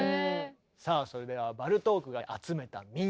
さあそれではバルトークが集めた民謡。